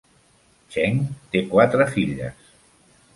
Cheng té quatre filles.